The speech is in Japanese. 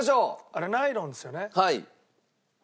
あれナイロンですよね？